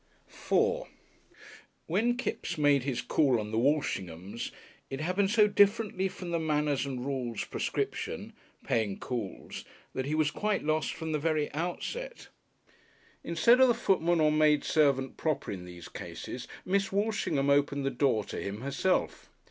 §4 When Kipps made his call on the Walshinghams, it all happened so differently from the "Manners and Rules" prescription ("Paying Calls") that he was quite lost from the very outset. Instead of the footman or maidservant proper in these cases, Miss Walshingham opened the door to him herself.